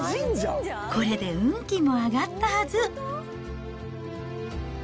これで運気も上がったはず。